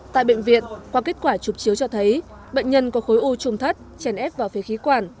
tại bệnh viện qua kết quả chụp chiếu cho thấy bệnh nhân có khối u trung thất chèn ép vào phế khí quản